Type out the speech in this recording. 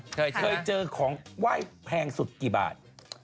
เคยเจอของไหว้แพงสุดกี่บาท